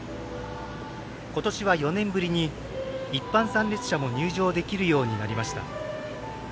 今年は４年ぶりに一般参列者も入場できるようになりました。